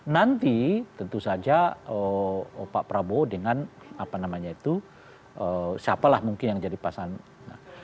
nanti tentu saja pak prabowo dengan apa namanya itu siapalah mungkin yang jadi pasangan